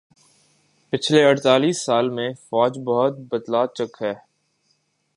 پچھلے اڑتالیس سالہ میں فوج بہت بدلہ چک ہے